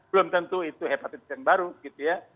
belum tentu itu hepatitis yang baru gitu ya